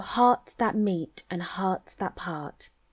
hearts that meet, and hearts that part!